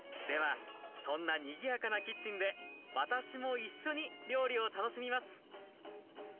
ではそんなにぎやかなキッチンで私も一緒に料理を楽しみます！